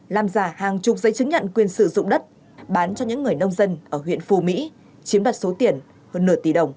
làm giả hàng chục giấy chứng nhận quyền sử dụng đất bán cho những người nông dân ở huyện phù mỹ chiếm đoạt số tiền hơn nửa tỷ đồng